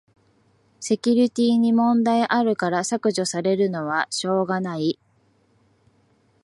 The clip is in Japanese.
セキュリティに問題あるから削除されるのはしょうがない